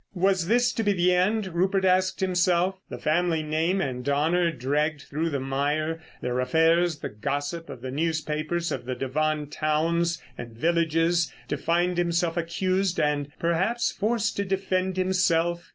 Was this to be the end? Rupert asked himself. The family name and honour dragged through the mire, their affairs the gossip of the newspapers of the Devon towns and villages, to find himself accused and perhaps forced to defend himself.